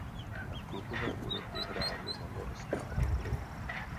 Na klubové úrovni hrál mimo Norska v Anglii.